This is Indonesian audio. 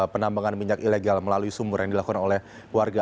penambangan minyak ilegal melalui sumur yang dilakukan oleh warga